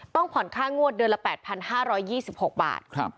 ต้องผ่อนค่างวดเดือนละ๘๕๒๖บาท